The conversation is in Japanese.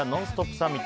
サミット。